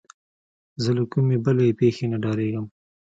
زه له کومې بلې پېښې نه ډارېدم.